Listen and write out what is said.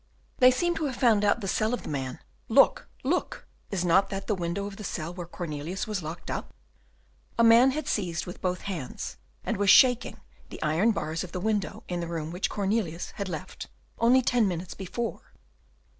"They seem to have found out the cell of the man. Look, look! is not that the window of the cell where Cornelius was locked up?" A man had seized with both hands and was shaking the iron bars of the window in the room which Cornelius had left only ten minutes before.